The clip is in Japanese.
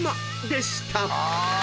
でした］